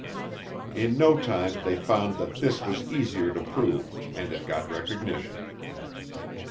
In no time they found that this was easier to prove and it got recognition.